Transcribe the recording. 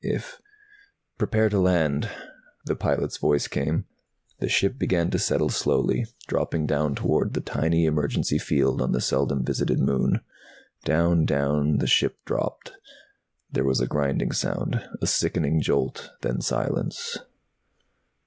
If " "Prepare to land!" the pilot's voice came. The ship began to settle slowly, dropping down toward the tiny emergency field on the seldom visited moon. Down, down the ship dropped. There was a grinding sound, a sickening jolt. Then silence.